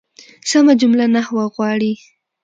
سمه جمله نحوه غواړي.